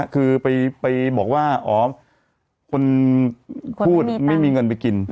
คือไปบอกว่าอ๋อคนพูดไม่มีเงินไปกิน